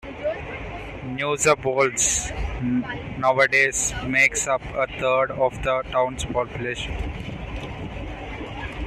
Neugablonz nowadays makes up a third of the town's population.